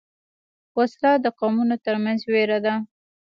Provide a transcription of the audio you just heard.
وسله د قومونو تر منځ وېره ده